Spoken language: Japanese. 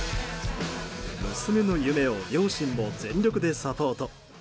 娘の夢を両親も全力でサポート。